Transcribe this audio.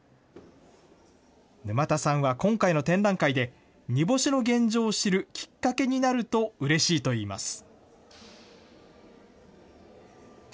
沼田さんは今回の展覧会で、煮干しの現状を知るきっかけになるとうれしいといいます。